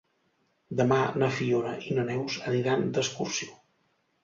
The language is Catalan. Demà na Fiona i na Neus aniran d'excursió.